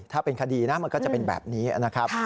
ถ้าเป็นคดีนะมันก็จะเป็นแบบนี้นะครับ